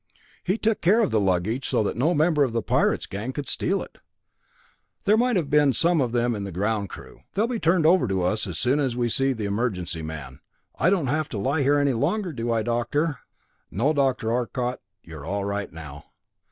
He took care of the luggage so that no member of the pirate's gang could steal it. There might have been some of them in the ground crew. They'll be turned over to us as soon as we see the emergency man. I don't have to lie here any longer, do I, doctor?" "No, Dr. Arcot, you're all right now.